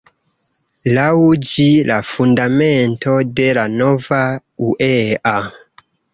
Laŭ ĝi, la fundamento de la nova uea.